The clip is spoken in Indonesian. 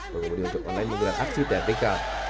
pengemudi ojek online menggerak aksi derdeka